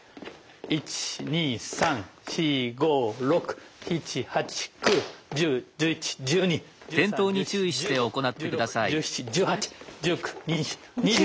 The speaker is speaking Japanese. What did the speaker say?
１２３４５６７８９１０１１１２１３１４１５１６１７１８１９２０２１。